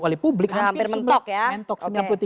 oleh publik hampir mentok